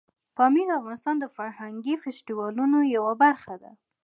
پامیر د افغانستان د فرهنګي فستیوالونو یوه برخه ده.